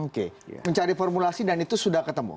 oke mencari formulasi dan itu sudah ketemu